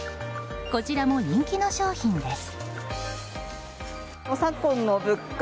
こちらも人気の商品です。